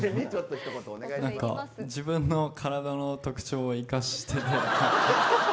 自分の体の特徴を生かして。